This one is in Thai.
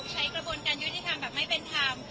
ใช้กระบวนการยุติธรรมแบบไม่เป็นธรรม